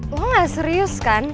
lo gak serius kan